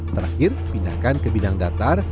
terakhir pindahkan ke bidang datar